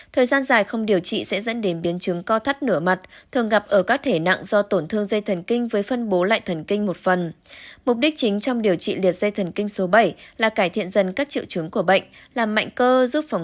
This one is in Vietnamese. thời gian dài không điều trị sẽ dẫn đến biến chứng co thắt nửa mặt thường gặp ở các thể nặng do tổn thương dây thần kinh với phân bố lại thần kinh một phần